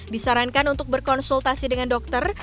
disarankan untuk berkonsultasi dengan dokter